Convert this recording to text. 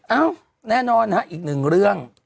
เอ้าแน่นอนฮะอีกหนึ่งเรื่อง